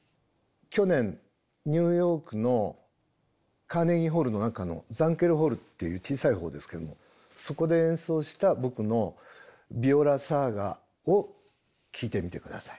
去年ニューヨークのカーネギーホールの中のザンケルホールっていう小さいほうですけどそこで演奏した僕の「ＶｉｏｌａＳａｇａ」を聴いてみて下さい。